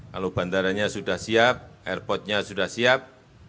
kalau bandaranya sudah siap airportnya sudah siap